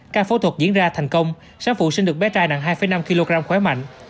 các phẫu thuật diễn ra thành công sáng phụ sinh được bé trai nặng hai năm kg khóe mạnh